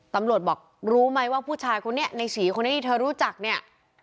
ตำรวจบอกรู้ไหมว่าผู้ชายคนนี้ในศรีคนนี้ที่เธอรู้จักเนี่ย